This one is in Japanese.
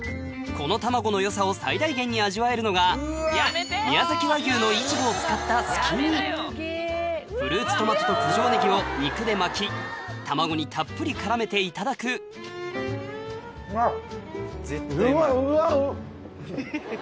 この卵のよさを最大限に味わえるのが宮崎和牛のイチボを使ったすき煮フルーツトマトと九条ネギを肉で巻き卵にたっぷり絡めていただくあっ。